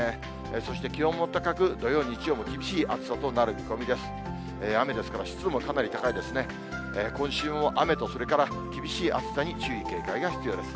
そして、気温も高く、土曜、日曜も厳しい暑さとなる見込みです。